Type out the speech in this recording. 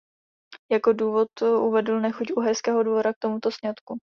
Jako důvod uvedl nechuť uherského dvora k tomuto sňatku.